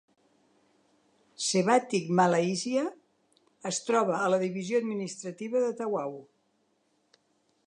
Sebatik Malaysia es troba a la divisió administrativa de Tawau.